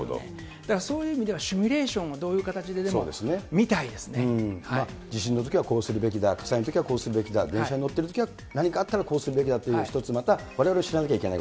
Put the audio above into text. だからそういう意味ではシミュレーションがどういう形ででも見た地震のときはこうするべきだ、火災のときはこうするべきだ、電車に乗っているときはこうするべきだ、何かあったらこうするべきだという一つまたわれわれ知らなきゃいけない。